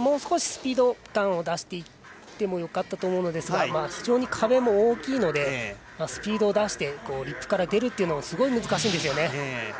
もう少しスピード感を出していってもよかったと思うのですが非常に壁も大きいのでスピードを出してリップから出るというのもすごい難しいんですよね。